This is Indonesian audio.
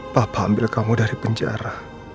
papa ambil kamu dari penjara